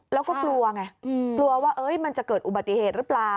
แล้วก็กลัวไงกลัวว่ามันจะเกิดอุบัติเหตุหรือเปล่า